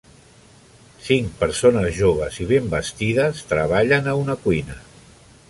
Cinc persones joves i ben vestides treballen a una cuina.